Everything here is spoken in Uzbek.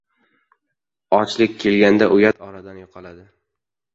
• Ochlik kelganda uyat oradan yo‘qoladi.